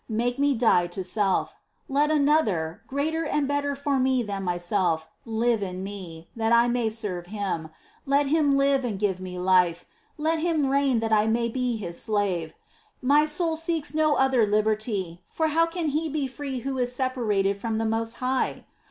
Make me die to self ; let Another, greater and better for me than myself, live in me, that I may serve Him ; let Him live and give me life :^ let Him reign that I may be His slave, — my soul seeks no other liberty, for how can he be free who is separated from the most High